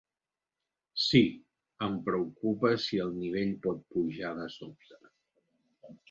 Sí, em preocupa si el nivell pot pujar de sobte.